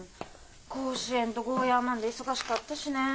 甲子園とゴーヤーマンで忙しかったしねえ。